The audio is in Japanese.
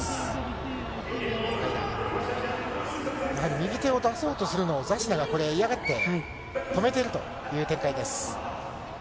右手を出そうとするのを嫌がって止めているという展開です。